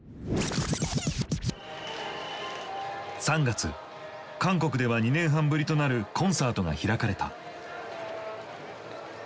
３月韓国では２年半ぶりとなるコンサートが開かれた。